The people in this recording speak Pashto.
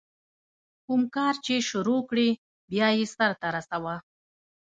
کوم کار چي شروع کړې، بیا ئې سر ته رسوه.